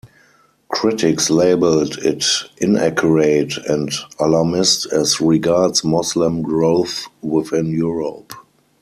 Critics labelled it inaccurate and alarmist as regards Moslem growth within Europe.